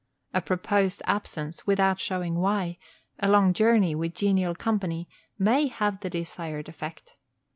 A proposed absence without showing why, a long journey with genial company, may have the desired effect.